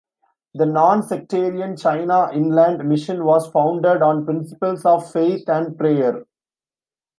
The non-sectarian China Inland Mission was founded on principles of faith and prayer.